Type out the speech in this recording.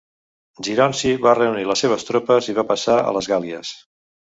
Geronci va reunir les seves tropes i va passar a les Gàl·lies.